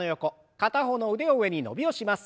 片方の腕を上に伸びをします。